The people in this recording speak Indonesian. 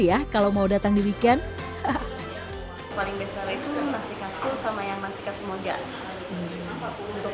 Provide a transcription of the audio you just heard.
ya kalau mau datang di weekend paling besar itu masih kacau sama yang masih ke semoja untuk